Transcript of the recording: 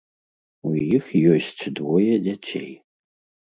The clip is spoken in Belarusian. У іх ёсць двое дзяцей.